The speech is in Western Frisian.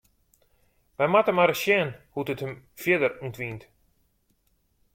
Wy moatte mar ris sjen hoe't it him fierder ûntwynt.